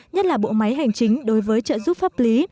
nhất là bộ máy hành chính đối với trợ giúp pháp lý